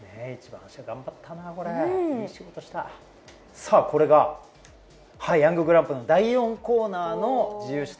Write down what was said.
さぁこれがヤンググランプリの第４コーナーの自由視点